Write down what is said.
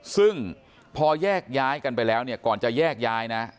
ซึ่งพอแยกย้ายกันไปแล้วเนี่ยก่อนจะแยกย้ายนะ